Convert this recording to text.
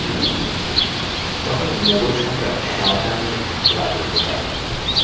তখন মোগল সম্রাট শাজাহানের রাজত্বকাল।